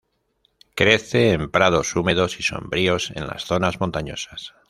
Crece en prados húmedos y sombríos en las zonas montañosas.